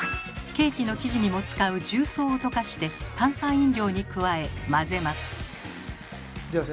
ケーキの生地にも使う重曹を溶かして炭酸飲料に加え混ぜます。